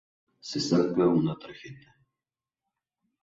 Se saca una tarjeta.